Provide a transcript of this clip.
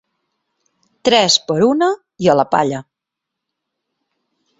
Tres per una i a la palla.